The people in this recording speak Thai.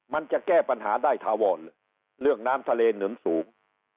มันจะแก้ปัญหาได้ถาวรเรื่องน้ำทะเลหนุนสูง